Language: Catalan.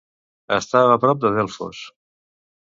Estava a prop de Delfos?